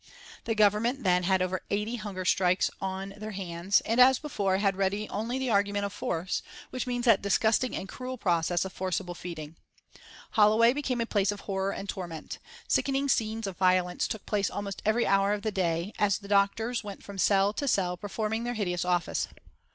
The Government then had over eighty hunger strikers on their hands, and, as before, had ready only the argument of force, which means that disgusting and cruel process of forcible feeding. Holloway became a place of horror and torment. Sickening scenes of violence took place almost every hour of the day, as the doctors went from cell to cell performing their hideous office.